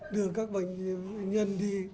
đưa các bệnh nhân đi